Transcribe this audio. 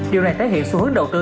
điều này thể hiện xu hướng đầu tư